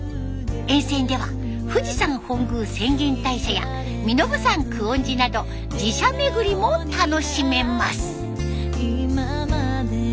沿線では富士山本宮浅間大社や身延山久遠寺など寺社巡りも楽しめます。